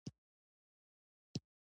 فلم د خیال حقیقت دی